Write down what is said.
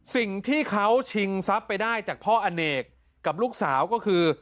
สิ่งที่เขาชิงทรัพย์ไปได้จากพ่ออเนกกับลูกสาวก็คือ